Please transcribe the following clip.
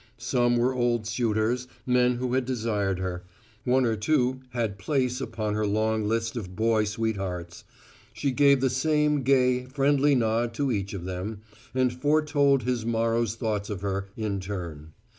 Some were old suitors, men who had desired her; one or two had place upon her long list of boy sweethearts: she gave the same gay, friendly nod to each of them, and foretold his morrow's thoughts of her, in turn.